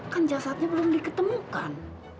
kan jasadnya belum diketemukan